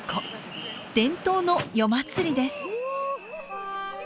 伝統の夜祭りです。